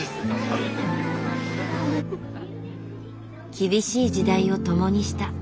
厳しい時代を共にした。